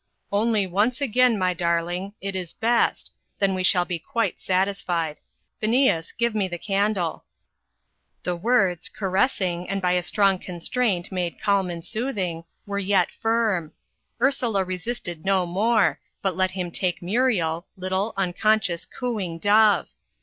"Only once again, my darling. It is best. Then we shall be quite satisfied. Phineas, give me the candle." The words caressing, and by strong constraint made calm and soothing were yet firm. Ursula resisted no more, but let him take Muriel little, unconscious, cooing dove!